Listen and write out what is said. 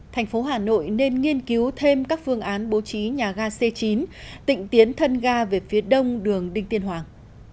thành phố hà nội nên nghiên cứu thêm các phương án bố trí nhà ga c chín tịnh tiến thân ga về phía đông đường đinh tiên hoàng